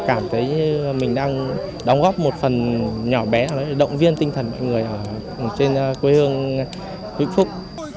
cảm thấy mình đang đóng góp một phần nhỏ bé động viên tinh thần mọi người ở trên quê hương vĩnh phúc